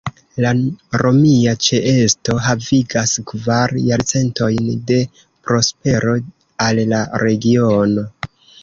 La romia ĉeesto havigas kvar jarcentojn de prospero al la regiono.